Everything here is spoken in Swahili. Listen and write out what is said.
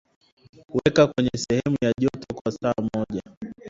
weka kwenye sehemu ya joto kwa saa moja